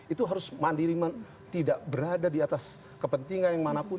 itu harus mandiri tidak berada di atas kepentingan yang manapun